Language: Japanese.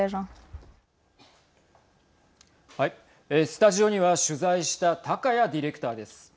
スタジオには取材した高谷ディレクターです。